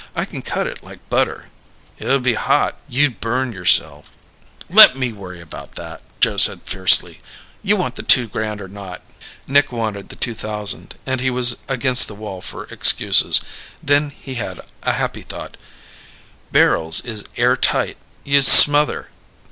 I can cut it like butter." "It'd be hot. You'd burn yourself." "Let me worry about that," Joe said fiercely. "You want the two grand or not?" Nick wanted the two thousand and he was against the wall for excuses. Then he had a happy thought. "Barrels is air tight. You'd smother.